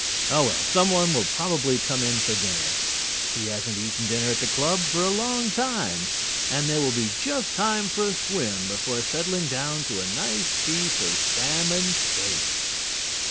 Oh, well, someone will probably come in for dinner. He hasn't eaten dinner at the club for a long time and there will be just time for a swim before settling down to a nice piece of salmon steak.